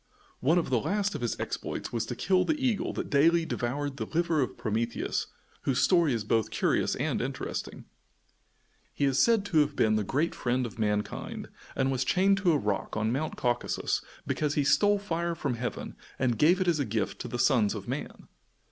One of the last of his exploits was to kill the eagle that daily devoured the liver of Prometheus, whose story is both curious and interesting. He is said to have been the great friend of mankind, and was chained to a rock on Mount Caucasus because he stole fire from heaven and gave it as a gift to the sons of man.